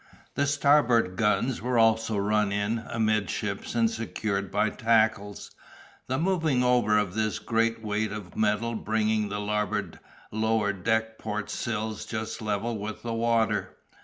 The starboard guns were also run in amidships and secured by tackles, the moving over of this great weight of metal bringing the larboard lower deck port sills just level with the water.